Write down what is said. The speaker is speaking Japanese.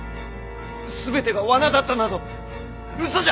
全てが罠だったなど嘘じゃ！